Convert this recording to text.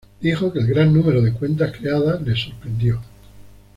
Dijo que el gran número de cuentas creadas le sorprendió.